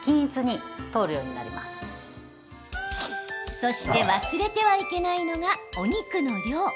そして忘れてはいけないのがお肉の量。